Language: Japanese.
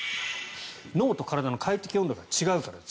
脳と体の快適温度が違うんです。